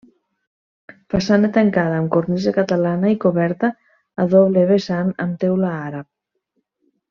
Façana tancada amb cornisa catalana i coberta a doble vessant amb teula àrab.